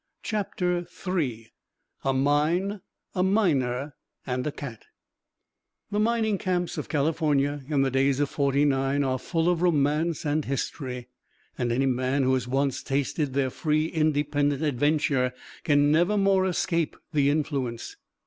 A MINE, A MINER, AND A CAT The mining camps of California in the days of '49 are full of romance and history and any man who has once tasted their free independent adventure can never more escape the influence.